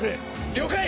了解！